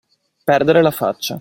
Perdere la faccia.